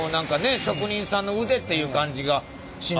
職人さんの腕っていう感じがしないんですけどね。